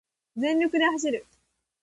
全力で走る